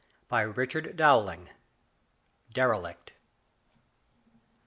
BY RICHARD DOWLING. DERELICT.